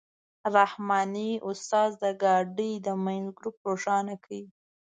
رحماني استاد د ګاډۍ د منځ ګروپ روښانه کړ.